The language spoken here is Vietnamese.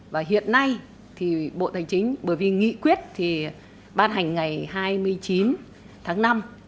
và hiện nay thì bộ tài chính bởi vì nghị quyết thì ban hành ngày hai mươi chín tháng năm